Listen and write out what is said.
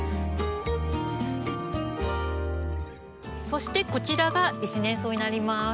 そしてこちらが１年草になります。